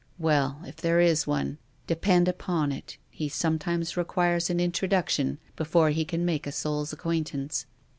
" Well, if there is one, depend upon it he some times requires an introduction before he can make a soul's acquaintance.